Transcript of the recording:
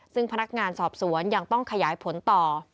ซึ่งพนักงานสอบสวนยังต้องขยายผลต่อ